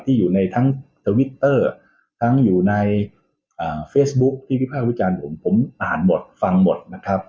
ที่อยู่ในทั้งทวิตเตอร์ทั้งอยู่ในเฟซบุ๊คที่วิภาควิจารณ์ผมผมอ่านหมดฟังหมดนะครับ